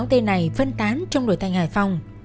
sáu tên này phân tán trong nổi thanh hải phòng